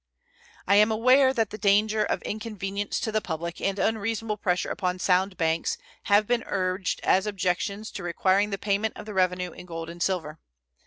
I am aware that the danger of inconvenience to the public and unreasonable pressure upon sound banks have been urged as objections to requiring the payment of the revenue in gold and silver.